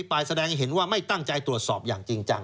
ไปแสดงให้เห็นว่าไม่ตั้งใจตรวจสอบอย่างจริงจัง